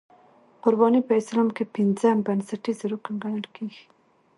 قرباني په اسلام کې پنځم بنسټیز رکن ګڼل کېږي.